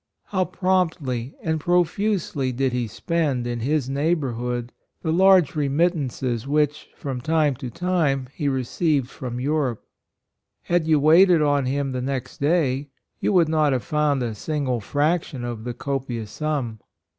How promptly and profusely did he spend in his neighborhood the large remit tances which, from time to time, he received from Europe. Had you waited on him the next day, you would not have found a single fraction of the copious sum.